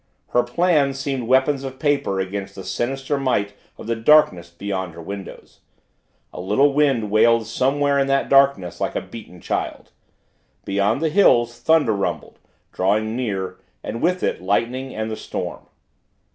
Her plans seemed weapons of paper against the sinister might of the darkness beyond her windows. A little wind wailed somewhere in that darkness like a beaten child beyond the hills thunder rumbled, drawing near, and with it lightning and the storm.